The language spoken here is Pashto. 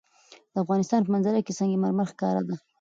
د افغانستان په منظره کې سنگ مرمر ښکاره ده.